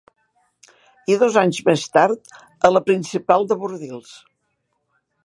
I dos anys més tard, a la Principal de Bordils.